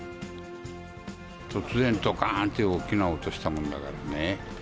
突然、どかーんって大きな音したもんだからね。